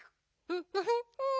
フフフン！